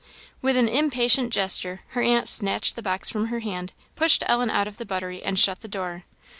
With an impatient gesture, her aunt snatched the box from her hand, pushed Ellen out of the buttery, and shut the door.